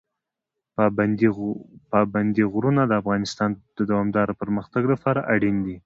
پابندی غرونه د افغانستان د دوامداره پرمختګ لپاره اړین دي.